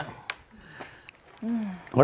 อืม